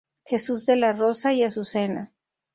Jesús de la Rosa y Azucena